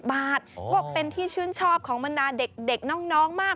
ก็เป็นที่ชื่นชอบของบรรดาเด็กน้องมาก